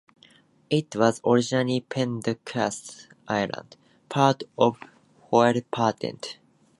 It was originally Penobscot Island, part of the Waldo Patent.